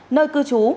nơi cư trú